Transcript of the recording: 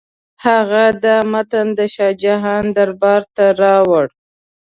هغه دا متن د شاه جهان دربار ته راوړ.